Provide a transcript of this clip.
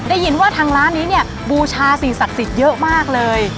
ได้ยินว่าทางร้านนี้เนี่ยบูชาสิ่งศักดิ์สิทธิ์เยอะมากเลย